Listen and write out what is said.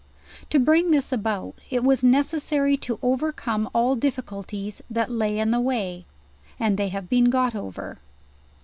To bring this about, it was necessary to overcome all difficul ties that lay in the way, and they have been got over.